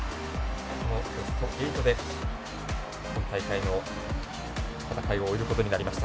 このベスト８で今大会の戦いを終えることになりました。